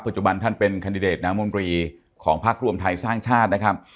จุบันท่านเป็นคันดิเดตนามนตรีของพักรวมไทยสร้างชาตินะครับ